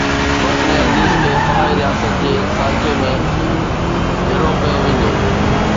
وطن عزيز کي فلاحي رياست جي سانچي ۾ ڍرو ڪيو ويندو